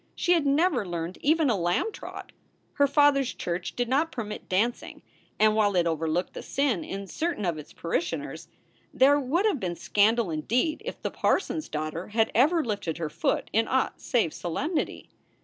She had never learned even a lamb trot. Her father s church did not permit dancing, and, while it overlooked the sin in certain of its parishioners, there would have been scandal indeed if the parson s daughter had ever lifted her foot in aught save solemnity.